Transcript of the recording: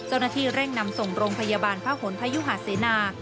เจ้าหน้าที่เร่งนำส่งโรงพยาบาลพระหลพยุหาเสนา